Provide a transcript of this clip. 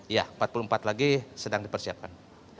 iya empat puluh empat lagi sedang dipersiapkan